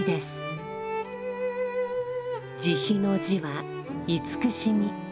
慈悲の「慈」は慈しみ。